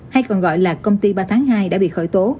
hay còn gọi là công ty ba tháng hai đã bị khởi tố